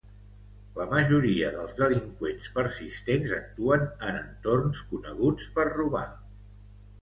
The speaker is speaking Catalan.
La majoria dels delinqüents persistents actuen en entorns coneguts per robar.